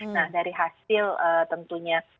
nah dari hasil tentunya